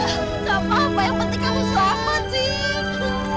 tidak apa apa yang penting kamu selamat sih